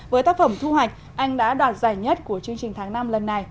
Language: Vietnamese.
với tác phẩm thu hoạch anh đã đoạt giải nhất của chương trình tháng năm lần này